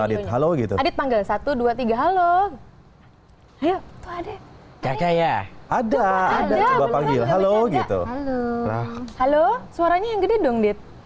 adit halo gitu adit panggil satu ratus dua puluh tiga halo ya ada ada ada ada halo gitu halo suaranya yang gede dong